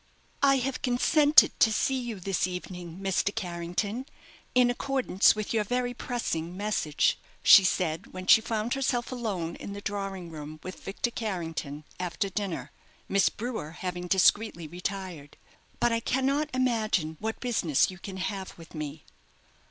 "I have consented to see you this evening, Mr. Carrington, in accordance with your very pressing message," she said, when she found herself alone in the drawing room with Victor Carrington after dinner, Miss Brewer having discreetly retired; "but I cannot imagine what business you can have with me."